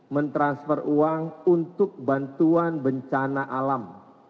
mentransfer uang untuk bantuan bencana alam